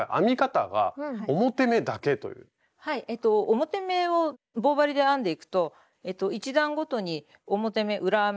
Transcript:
表目を棒針で編んでいくと１段ごとに表目裏目